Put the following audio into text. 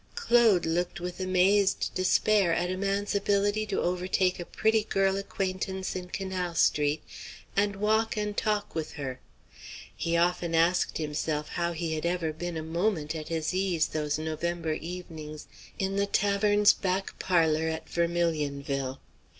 Claude looked with amazed despair at a man's ability to overtake a pretty girl acquaintance in Canal Street, and walk and talk with her. He often asked himself how he had ever been a moment at his ease those November evenings in the tavern's back parlor at Vermilionville.